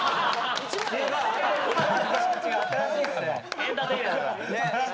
エンターテイナーだから。